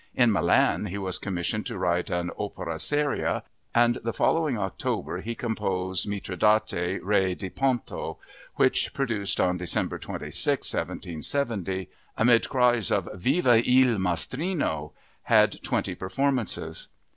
In Milan he was commissioned to write an opera seria and the following October he composed Mitridate Re di Ponto, which, produced on December 26, 1770, amid cries of "Viva il Maestrino," had twenty performances.